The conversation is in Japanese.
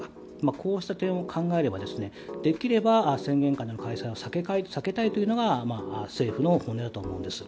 こうした点を考えればできれば、宣言下の開催を避けたいというのが政府の本音だと思います。